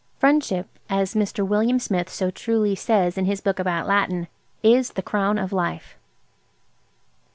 "Friendship," as Mr. William Smith so truly says in his book about Latin, "is the crown of life."